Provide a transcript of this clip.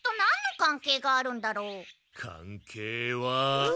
・関係は。